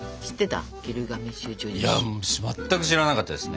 いや全く知らなかったですね。